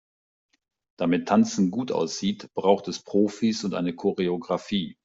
Damit Tanzen gut aussieht, braucht es Profis und eine Choreografie.